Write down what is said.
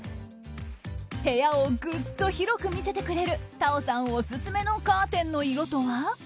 部屋をぐっと広く見せてくれるＴａｏさんオススメのカーテンの色とは？